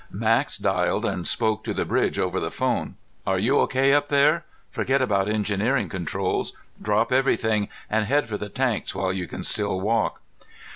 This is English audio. Max dialed and spoke to the bridge over the phone. "Are you okay up there? Forget about engineering controls. Drop everything and head for the tanks while you can still walk."